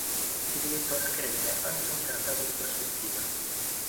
Si dilettò a scrivere anche un trattato di prospettiva.